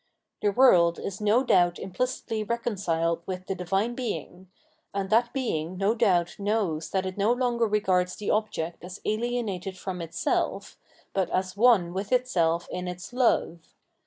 The world is no doubt implicitly reconciled with the Divine Being ; and that Being no doubt knows that it no longer regards the object as ahenated from itself, but as one with itself in its Love.